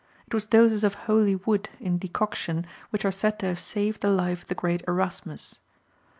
It was doses of holy wood, in decoction, which are said to have saved the life of the great Erasmus.